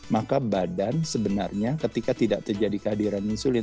maka badan sebenarnya ketika tidak terjadi kehadiran insulin